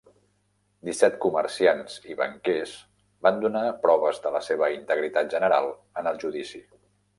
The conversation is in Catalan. Disset comerciants i banquers van donar proves de la seva integritat general en el judici.